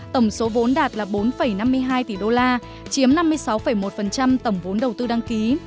tổng số vốn đạt là bốn năm mươi hai tỷ đô la chiếm năm mươi sáu một tổng vốn đầu tư đăng ký